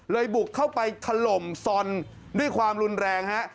บุกเข้าไปถล่มซอนด้วยความรุนแรงฮะ